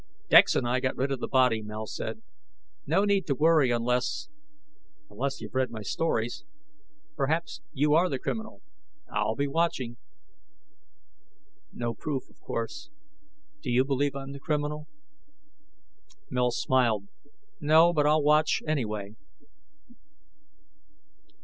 "Dex and I got rid of the body," Mel said. "No need to worry unless ... unless you've read my stories. Perhaps you are the criminal. I'll be watching." "No proof, of course ... Do you believe I'm the criminal?" Mel smiled. "No, but I'll watch anyway."